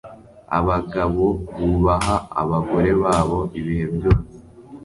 abagabobubaha abagorebabo ibihe byose